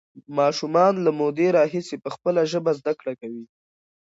ماشومان له مودې راهیسې په خپله ژبه زده کړه کوي.